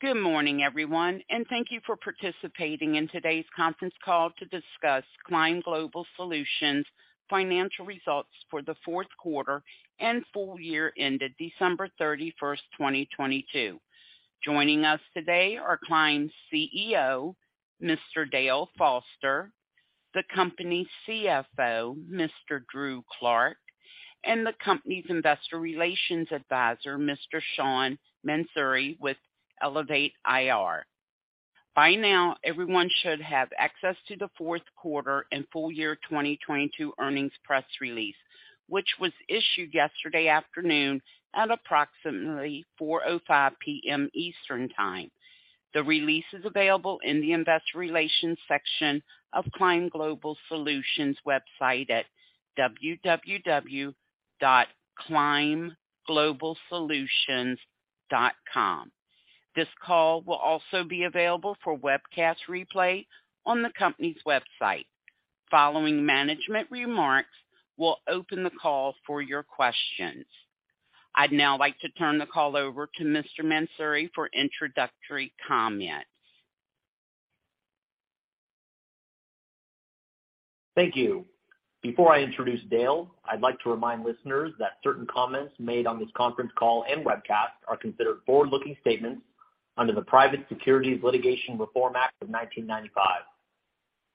Good morning, everyone, and thank you for participating in today's conference call to discuss Climb Global Solutions' financial results for the fourth quarter and full year ended December 31st, 2022. Joining us today are Climb's CEO, Mr. Dale Foster, the company's CFO, Mr. Drew Clark, and the company's investor relations advisor, Mr. Sean Mansouri, with Elevate IR. By now, everyone should have access to the fourth quarter and full year 2022 earnings press release, which was issued yesterday afternoon at approximately 4:05 P.M. Eastern Time. The release is available in the investor relations section of Climb Global Solutions' website at www.climbglobalsolutions.com. This call will also be available for webcast replay on the company's website. Following management remarks, we'll open the call for your questions. I'd now like to turn the call over to Mr. Mansouri for introductory comments. Thank you. Before I introduce Dale, I'd like to remind listeners that certain comments made on this conference call and webcast are considered forward-looking statements under the Private Securities Litigation Reform Act of 1995.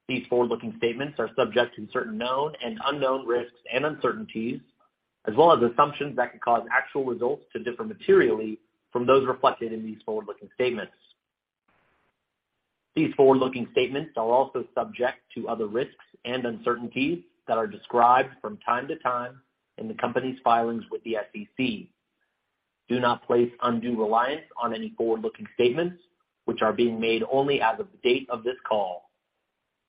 These forward-looking statements are subject to certain known and unknown risks and uncertainties, as well as assumptions that could cause actual results to differ materially from those reflected in these forward-looking statements. These forward-looking statements are also subject to other risks and uncertainties that are described from time to time in the company's filings with the SEC. Do not place undue reliance on any forward-looking statements, which are being made only as of the date of this call.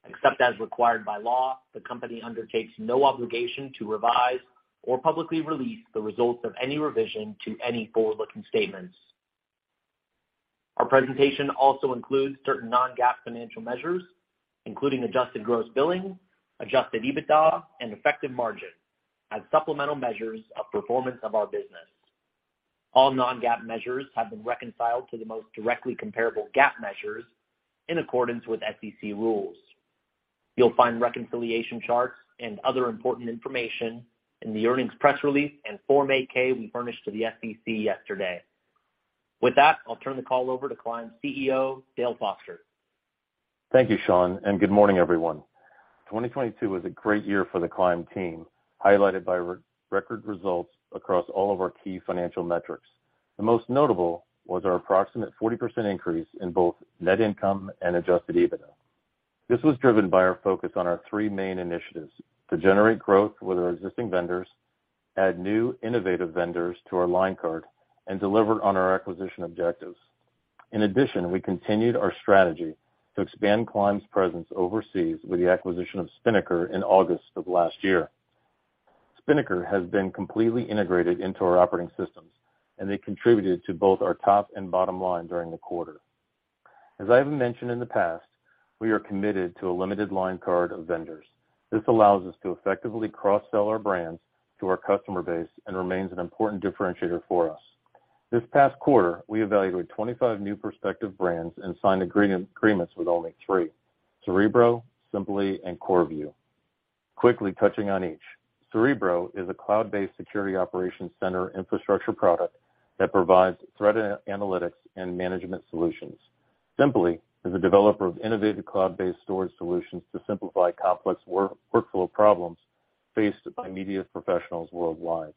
Except as required by law, the company undertakes no obligation to revise or publicly release the results of any revision to any forward-looking statements. Our presentation also includes certain non-GAAP financial measures, including adjusted gross billing, Adjusted EBITDA, and effective margin as supplemental measures of performance of our business. All non-GAAP measures have been reconciled to the most directly comparable GAAP measures in accordance with SEC rules. You'll find reconciliation charts and other important information in the earnings press release and Form 8-K we furnished to the SEC yesterday. With that, I'll turn the call over to Climb CEO, Dale Foster. Thank you, Sean. Good morning, everyone. 2022 was a great year for the Climb team, highlighted by re-record results across all of our key financial metrics. The most notable was our approximate 40% increase in both net income and Adjusted EBITDA. This was driven by our focus on our three main initiatives: to generate growth with our existing vendors, add new innovative vendors to our line card, and deliver on our acquisition objectives. In addition, we continued our strategy to expand Climb's presence overseas with the acquisition of Spinnakar in August of last year. Spinnakar has been completely integrated into our operating systems. They contributed to both our top and bottom line during the quarter. As I have mentioned in the past, we are committed to a limited line card of vendors. This allows us to effectively cross-sell our brands to our customer base and remains an important differentiator for us. This past quarter, we evaluated 25 new prospective brands and signed agreements with only three, CYREBRO, Symply, and CoreView. Quickly touching on each. CYREBRO is a cloud-based security operations center infrastructure product that provides threat analytics and management solutions. Symply is a developer of innovative cloud-based storage solutions to simplify complex workflow problems faced by media professionals worldwide.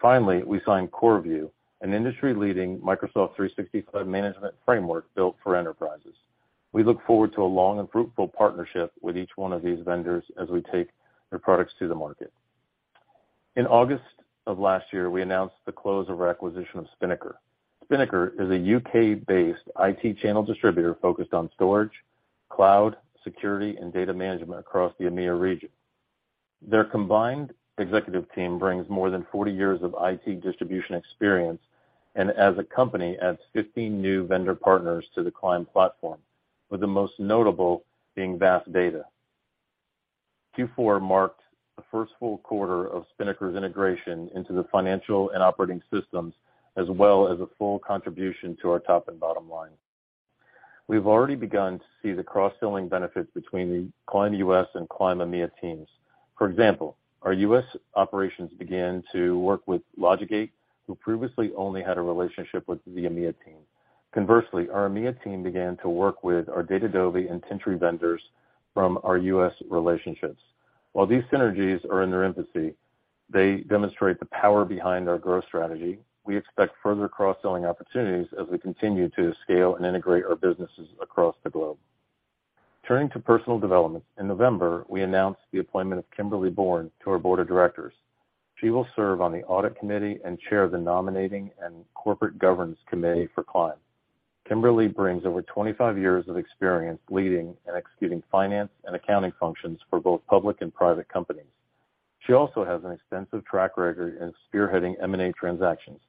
Finally, we signed CoreView, an industry-leading Microsoft 365 management framework built for enterprises. We look forward to a long and fruitful partnership with each one of these vendors as we take their products to the market. In August of last year, we announced the close of our acquisition of Spinnakar. Spinnakar is a U.K.-based IT channel distributor focused on storage, cloud, security, and data management across the EMEA region. Their combined executive team brings more than 40 years of IT distribution experience, and as a company, adds 15 new vendor partners to the Climb platform, with the most notable being VAST Data. Q4 marked the first full quarter of Spinnakar's integration into the financial and operating systems, as well as a full contribution to our top and bottom line. We've already begun to see the cross-selling benefits between the Climb U.S. and Climb EMEA teams. For example, our U.S. operations began to work with LogicGate, who previously only had a relationship with the EMEA team. Conversely, our EMEA team began to work with our Datadobi and Tintri vendors from our U.S. relationships. While these synergies are in their infancy, they demonstrate the power behind our growth strategy. We expect further cross-selling opportunities as we continue to scale and integrate our businesses across the globe. Turning to personnel developments, in November, we announced the appointment of Kimberly Boren to our board of directors. She will serve on the audit committee and chair the nominating and corporate governance committee for Climb. Kimberly brings over 25 years of experience leading and executing finance and accounting functions for both public and private companies. She also has an extensive track record in spearheading M&A transactions.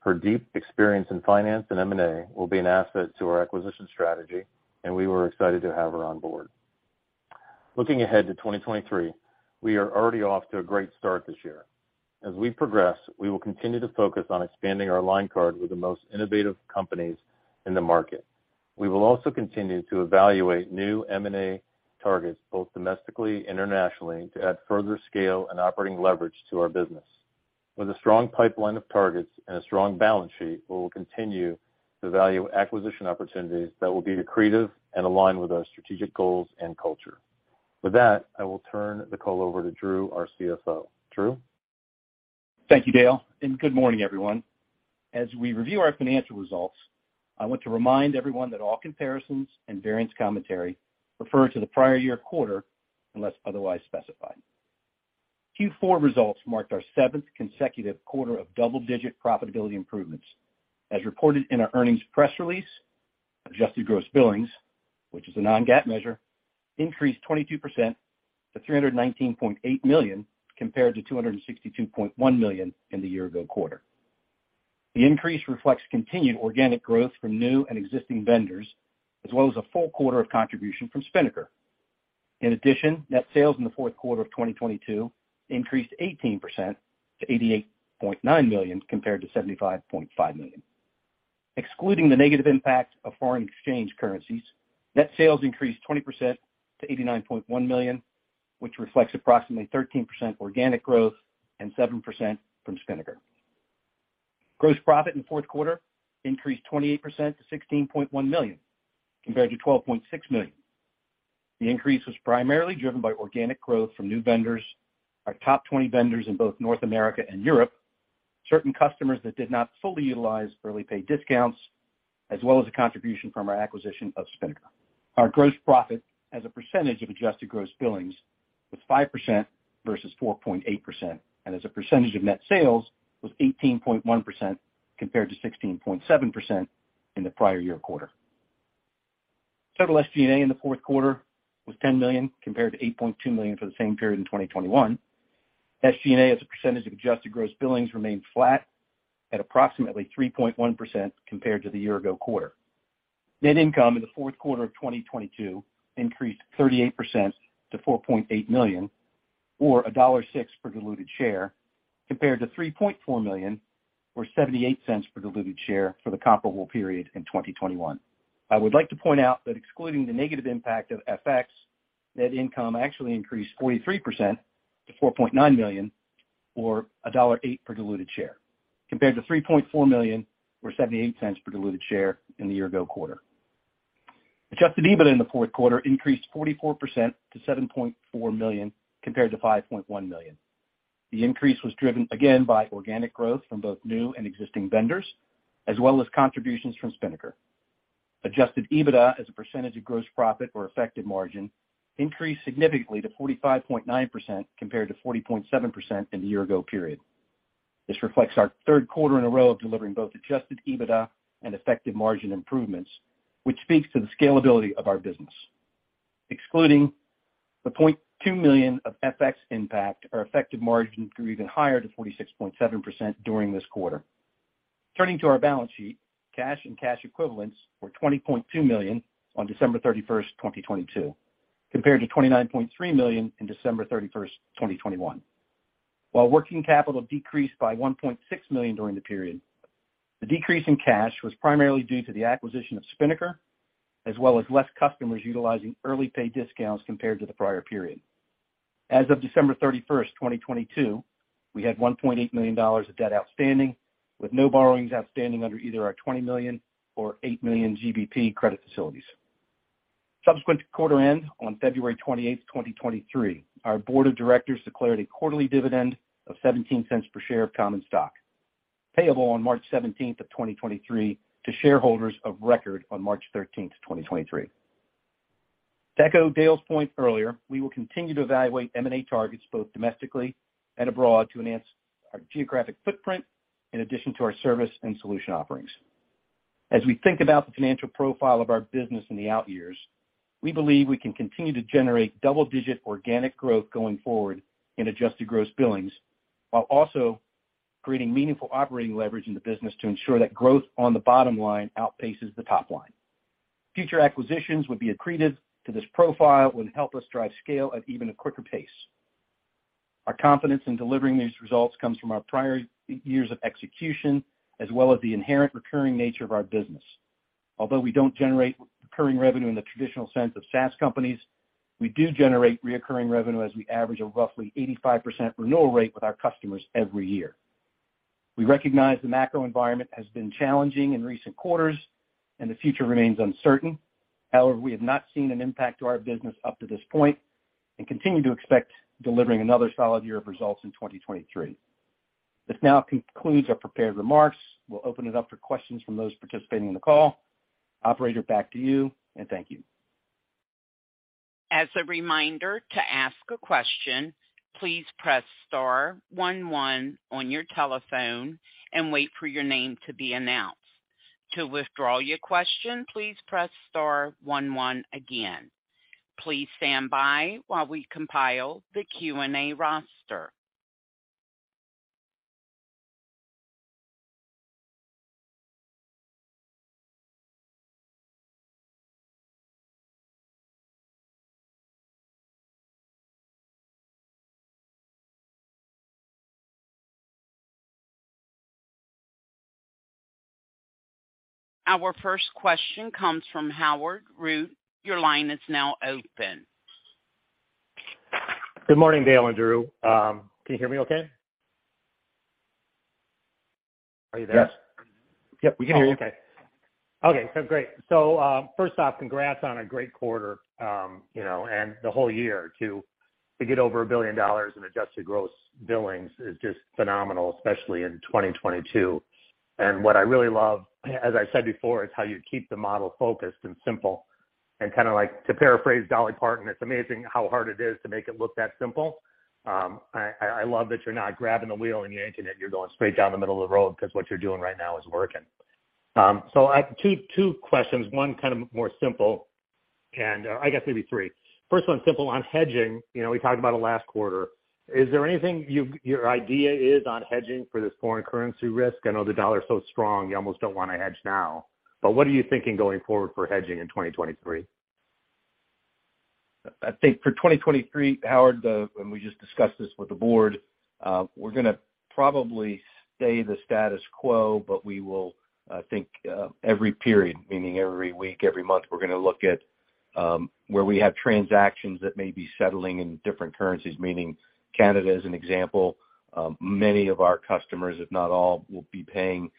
Her deep experience in finance and M&A will be an asset to our acquisition strategy, and we were excited to have her on board. Looking ahead to 2023, we are already off to a great start this year. As we progress, we will continue to focus on expanding our line card with the most innovative companies in the market. We will also continue to evaluate new M&A targets, both domestically, internationally, to add further scale and operating leverage to our business. With a strong pipeline of targets and a strong balance sheet, we will continue to value acquisition opportunities that will be accretive and align with our strategic goals and culture. With that, I will turn the call over to Drew, our CFO. Drew? Thank you, Dale. Good morning, everyone. As we review our financial results, I want to remind everyone that all comparisons and variance commentary refer to the prior year quarter unless otherwise specified. Q4 results marked our 7th consecutive quarter of double-digit profitability improvements. As reported in our earnings press release, adjusted gross billings, which is a non-GAAP measure, increased 22% to $319.8 million, compared to $262.1 million in the year ago quarter. The increase reflects continued organic growth from new and existing vendors, as well as a full quarter of contribution from Spinnakar. In addition, net sales in the fourth quarter of 2022 increased 18% to $88.9 million, compared to $75.5 million. Excluding the negative impact of foreign exchange currencies, net sales increased 20% to $89.1 million, which reflects approximately 13% organic growth and 7% from Spinnakar. Gross profit in fourth quarter increased 28% to $16.1 million, compared to $12.6 million. The increase was primarily driven by organic growth from new vendors, our top 20 vendors in both North America and Europe, certain customers that did not fully utilize early pay discounts, as well as a contribution from our acquisition of Spinnakar. Our gross profit as a percentage of adjusted gross billings was 5% versus 4.8%, and as a percentage of net sales was 18.1% compared to 16.7% in the prior year quarter. Total SG&A in the fourth quarter was $10 million compared to $8.2 million for the same period in 2021. SG&A, as a percentage of adjusted gross billings, remained flat at approximately 3.1% compared to the year ago quarter. Net income in the fourth quarter of 2022 increased 38% to $4.8 million, or $1.06 per diluted share, compared to $3.4 million or $0.78 per diluted share for the comparable period in 2021. I would like to point out that excluding the negative impact of FX, net income actually increased 43% to $4.9 million, or $1.08 per diluted share, compared to $3.4 million or $0.78 per diluted share in the year ago quarter. Adjusted EBITDA in the fourth quarter increased 44% to $7.4 million compared to $5.1 million. The increase was driven again by organic growth from both new and existing vendors, as well as contributions from Spinnakar. Adjusted EBITDA, as a percentage of gross profit or effective margin, increased significantly to 45.9% compared to 40.7% in the year ago period. This reflects our third quarter in a row of delivering both Adjusted EBITDA and effective margin improvements, which speaks to the scalability of our business. Excluding the $0.2 million of FX impact, our effective margin grew even higher to 46.7% during this quarter. Turning to our balance sheet, cash and cash equivalents were $20.2 million on December 31st, 2022, compared to $29.3 million in December 31st, 2021. While working capital decreased by $1.6 million during the period, the decrease in cash was primarily due to the acquisition of Spinnakar, as well as less customers utilizing early pay discounts compared to the prior period. As of December 31st, 2022, we had $1.8 million of debt outstanding, with no borrowings outstanding under either our 20 million or 8 million GBP credit facilities. Subsequent to quarter end, on February 28th, 2023, our board of directors declared a quarterly dividend of $0.17 per share of common stock, payable on March 17th, 2023 to shareholders of record on March 13th, 2023. To echo Dale's point earlier, we will continue to evaluate M&A targets both domestically and abroad to enhance our geographic footprint in addition to our service and solution offerings. As we think about the financial profile of our business in the out years, we believe we can continue to generate double-digit organic growth going forward in adjusted gross billings, while also creating meaningful operating leverage in the business to ensure that growth on the bottom line outpaces the top line. Future acquisitions would be accretive to this profile and help us drive scale at even a quicker pace. Our confidence in delivering these results comes from our prior years of execution, as well as the inherent recurring nature of our business. Although we don't generate recurring revenue in the traditional sense of SaaS companies, we do generate reoccurring revenue as we average a roughly 85% renewal rate with our customers every year. We recognize the macro environment has been challenging in recent quarters and the future remains uncertain. We have not seen an impact to our business up to this point and continue to expect delivering another solid year of results in 2023. This now concludes our prepared remarks. We'll open it up for questions from those participating in the call. Operator, back to you, and thank you. As a reminder, to ask a question, please press Star One One on your telephone and wait for your name to be announced. To withdraw your question, please press Star One One again. Please stand by while we compile the Q&A roster. Our first question comes from Howard Root. Your line is now open. Good morning, Dale and Drew. Can you hear me okay? Are you there? Yes. Yep, we can hear you. Okay. Okay, great. First off, congrats on a great quarter, you know, and the whole year to get over $1 billion in adjusted gross billings is just phenomenal, especially in 2022. What I really love, as I said before, is how you keep the model focused and simple. Kind of like to paraphrase Dolly Parton, it's amazing how hard it is to make it look that simple. I love that you're not grabbing the wheel and yanking it, and you're going straight down the middle of the road, 'cause what you're doing right now is working. I have two questions, one kind of more simple, I guess maybe three. First one's simple. On hedging, you know, we talked about it last quarter. Is there anything you've... your idea is on hedging for this foreign currency risk? I know the dollar is so strong you almost don't wanna hedge now. What are you thinking going forward for hedging in 2023? I think for 2023, Howard, we just discussed this with the board, we're gonna probably stay the status quo, but we will, I think, every period, meaning every week, every month, we're gonna look at where we have transactions that may be settling in different currencies, meaning Canada as an example. Many of our customers, if not all, will be paying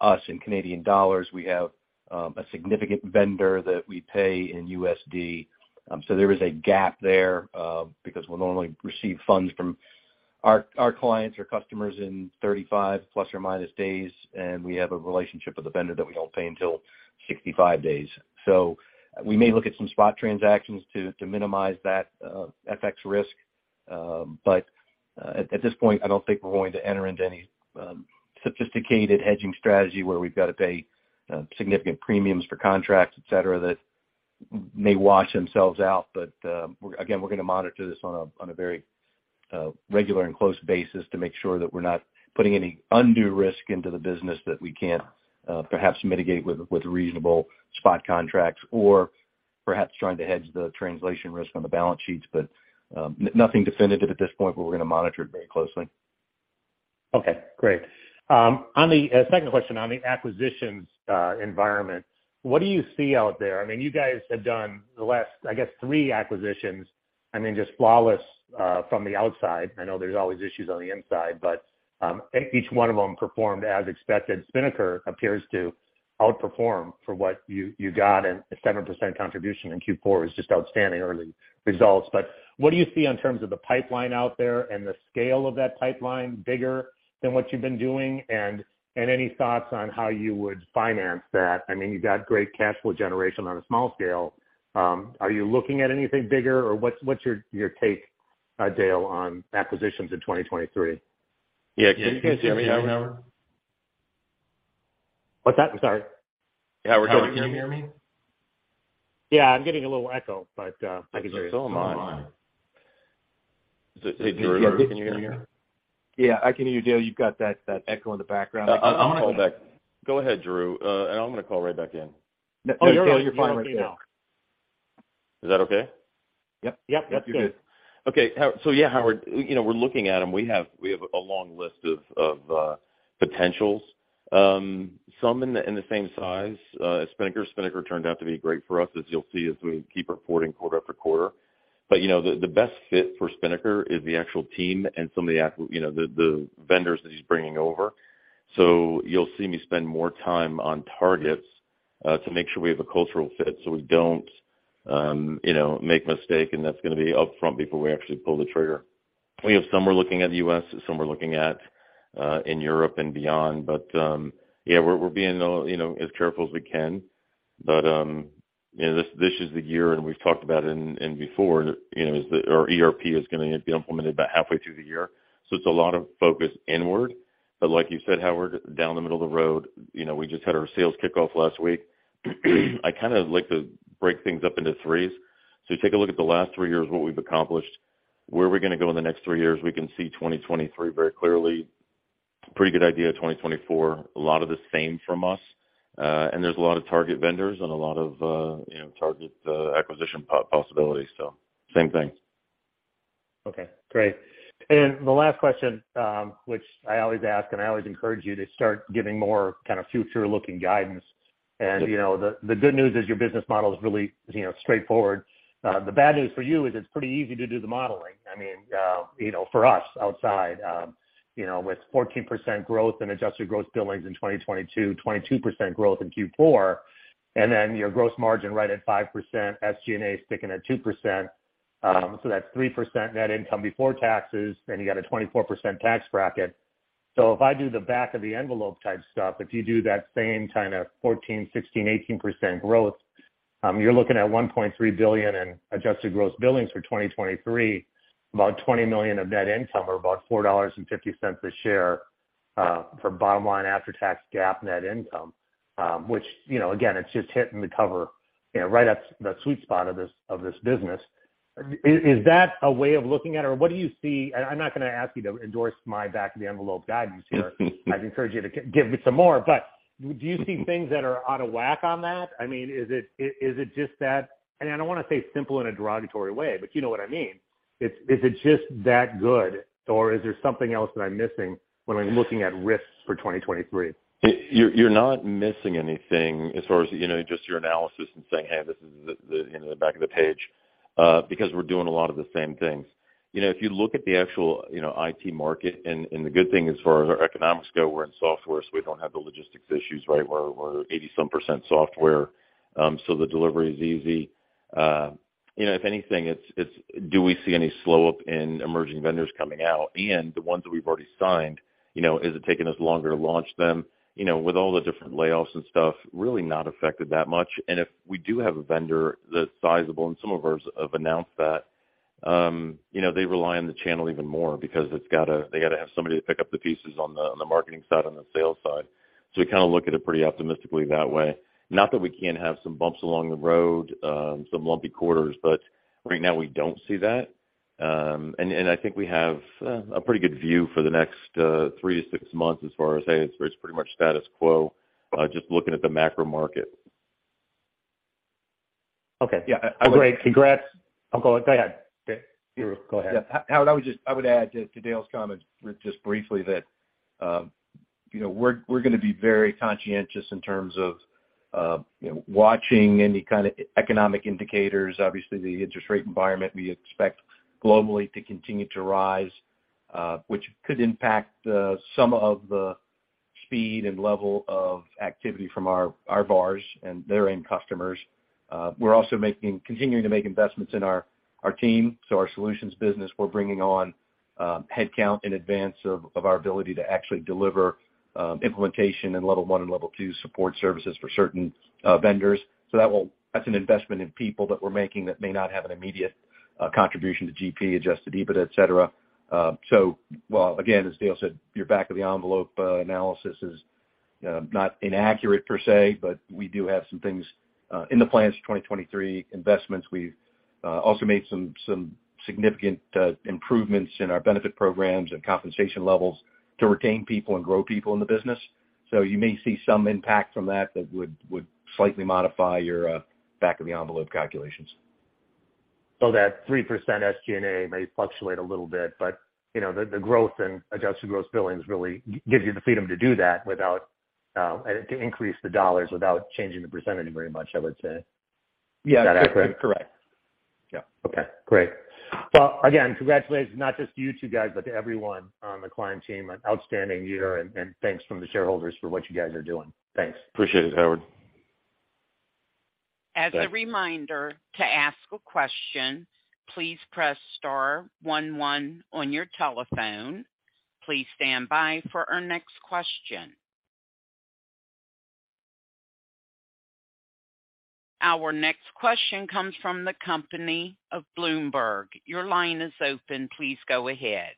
us in Canadian dollars. We have a significant vendor that we pay in USD. There is a gap there because we'll normally receive funds from our clients or customers in 35 ± days, and we have a relationship with the vendor that we don't pay until 65 days. We may look at some spot transactions to minimize that FX risk. At this point, I don't think we're going to enter into any sophisticated hedging strategy where we've got to pay significant premiums for contracts, et cetera, that may wash themselves out. Again, we're gonna monitor this on a very regular and close basis to make sure that we're not putting any undue risk into the business that we can't perhaps mitigate with reasonable spot contracts or perhaps trying to hedge the translation risk on the balance sheets. Nothing definitive at this point, but we're gonna monitor it very closely. Okay, great. On the second question on the acquisitions environment, what do you see out there? I mean, you guys have done the last, I guess, three acquisitions. I mean, just flawless from the outside. I know there's always issues on the inside, but each one of them performed as expected. Spinnakar appears to outperform for what you got, and a 7% contribution in Q4 is just outstanding early results. What do you see in terms of the pipeline out there and the scale of that pipeline bigger than what you've been doing? Any thoughts on how you would finance that? I mean, you've got great cash flow generation on a small scale. Are you looking at anything bigger or what's your take, Dale, on acquisitions in 2023? Yeah. Can you guys hear me, Howard? What's that? I'm sorry. Howard, can you hear me? I'm getting a little echo, but I can hear you. Am I. Hey, Drew, can you hear me? Yeah, I can hear you, Dale. You've got that echo in the background. I'm gonna call back. Go ahead, Drew. I'm gonna call right back in. No, you're fine right now. Is that okay? Yep. Yep. Yep. You're good. So, yeah, Howard, you know, we're looking at them. We have, we have a long list of potentials. Some in the, in the same size as Spinnakar. Spinnakar turned out to be great for us, as you'll see as we keep reporting quarter after quarter. You know, the best fit for Spinnakar is the actual team and some of the, you know, the vendors that he's bringing over. You'll see me spend more time on targets to make sure we have a cultural fit so we don't, you know, make mistake, and that's gonna be upfront before we actually pull the trigger. We have some we're looking at in the U.S., some we're looking at in Europe and beyond. Yeah, we're being, you know, as careful as we can. You know, this is the year, and we've talked about it in before, you know, our ERP is gonna be implemented about halfway through the year, so it's a lot of focus inward. Like you said, Howard, down the middle of the road, you know, we just had our sales kickoff last week. I kind of like to break things up into threes. You take a look at the last three years, what we've accomplished, where are we gonna go in the next three years? We can see 2023 very clearly. Pretty good idea of 2024. A lot of the same from us. And there's a lot of target vendors and a lot of, you know, target, acquisition possibilities. Same thing. Okay, great. The last question, which I always ask, and I always encourage you to start giving more kind of future-looking guidance. You know, the good news is your business model is really, you know, straightforward. The bad news for you is it's pretty easy to do the modeling. I mean, you know, for us outside, you know, with 14% growth in adjusted gross billings in 2022, 22% growth in Q4, and then your gross margin right at 5%, SG&A sticking at 2%. That's 3% net income before taxes, and you got a 24% tax bracket. If I do the back of the envelope type stuff, if you do that same kind of 14%, 16%, 18% growth, you're looking at $1.3 billion in adjusted gross billings for 2023. About $20 million of net income or about $4.50 a share, for bottom line after tax GAAP net income, which, you know, again, it's just hitting the cover, you know, right at the sweet spot of this, of this business. Is that a way of looking at it, or what do you see? I'm not gonna ask you to endorse my back of the envelope guidance here. I'd encourage you to give me some more. Do you see things that are out of whack on that? I mean, is it just that? I don't wanna say simple in a derogatory way, but you know what I mean. Is it just that good or is there something else that I'm missing when I'm looking at risks for 2023? You're not missing anything as far as, you know, just your analysis and saying, "Hey, this is the, you know, the back of the page," because we're doing a lot of the same things. You know, if you look at the actual, you know, IT market, and the good thing as far as our economics go, we're in software, so we don't have the logistics issues, right? We're 80 some percent software, so the delivery is easy. You know, if anything, it's do we see any slow-up in emerging vendors coming out? The ones that we've already signed, you know, is it taking us longer to launch them? You know, with all the different layoffs and stuff, really not affected that much. If we do have a vendor that's sizable, and some of ours have announced that, you know, they rely on the channel even more because they gotta have somebody to pick up the pieces on the marketing side, on the sales side. We kinda look at it pretty optimistically that way. Not that we can't have some bumps along the road, some lumpy quarters, but right now we don't see that. I think we have a pretty good view for the next three to six months as far as, hey, it's pretty much status quo, just looking at the macro market. Okay. Yeah. Oh- Great. Congrats. Oh, go ahead. Okay. Go ahead. Yeah. I would add to Dale's comment just briefly that, you know, we're gonna be very conscientious in terms of, you know, watching any kinda economic indicators. Obviously, the interest rate environment we expect globally to continue to rise, which could impact some of the speed and level of activity from our VARs and their end customers. We're also continuing to make investments in our team. Our solutions business, we're bringing on headcount in advance of our ability to actually deliver implementation and level one and level two support services for certain vendors. That's an investment in people that we're making that may not have an immediate contribution to GP, Adjusted EBITDA, et cetera. While, again, as Dale Foster said, your back of the envelope analysis is not inaccurate per se, but we do have some things in the plans for 2023 investments. We've also made some significant improvements in our benefit programs and compensation levels to retain people and grow people in the business. You may see some impact from that that would slightly modify your back of the envelope calculations. That 3% SG&A may fluctuate a little bit, but, you know, the growth and adjusted gross billings really gives you the freedom to do that without to increase the dollars without changing the percentage very much, I would say. Yeah. Is that accurate? Correct. Yeah. Okay, great. Again, congratulations, not just to you two guys, but to everyone on the Climb team. An outstanding year, and thanks from the shareholders for what you guys are doing. Thanks. Appreciate it, Howard. As a reminder, to ask a question, please press Star One One on your telephone. Please stand by for our next question. Our next question comes from the company of Bloomberg. Your line is open. Please go ahead.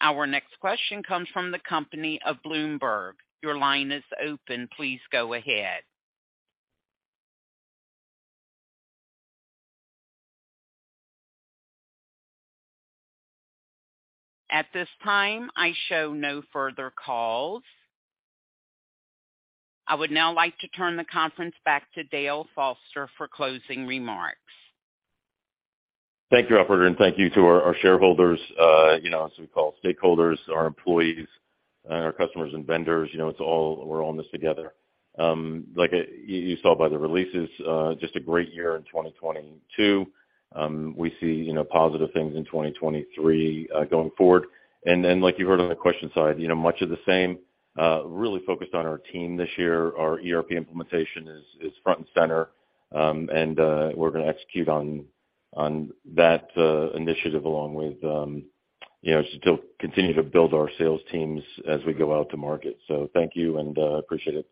At this time, I show no further calls. I would now like to turn the conference back to Dale Foster for closing remarks. Thank you, operator, and thank you to our shareholders, you know, as we call stakeholders, our employees, our customers and vendors. You know, we're all in this together. like you saw by the releases, just a great year in 2022. we see, you know, positive things in 2023, going forward. like you heard on the question side, you know, much of the same. really focused on our team this year. Our ERP implementation is front and center. and we're gonna execute on that initiative along with, you know, still continue to build our sales teams as we go out to market. Thank you, and appreciate it.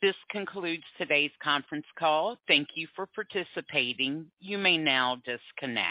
This concludes today's conference call. Thank you for participating. You may now disconnect.